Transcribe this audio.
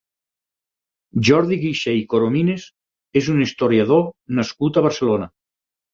Jordi Guixé i Coromines és un historiador nascut a Barcelona.